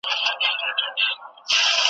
له چڼچڼو، توتکیو تر بازانو .